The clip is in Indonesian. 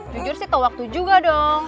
jujur sih tahu waktu juga dong